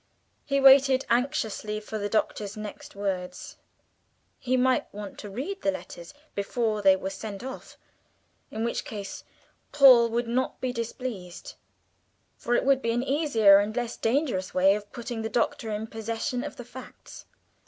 He waited anxiously for the Doctor's next words; he might want to read the letters before they were sent off, in which case Paul would not be displeased, for it would be an easier and less dangerous way of putting the Doctor in possession of the facts.